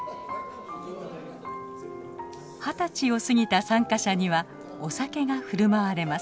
二十歳を過ぎた参加者にはお酒が振る舞われます。